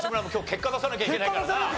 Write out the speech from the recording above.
結果出さないといけないから。